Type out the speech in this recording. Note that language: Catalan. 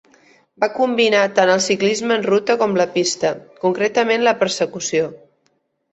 Va combinar tant el ciclisme en ruta com la pista, concretament la persecució.